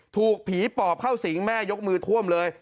ถูกผีปอบเข้าสิงแม่ยกมือท่วมเลย